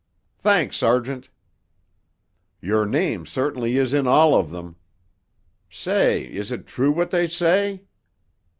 "Thanks, sergeant." "Your name certainly is in all of them! Say, is it true what they say?"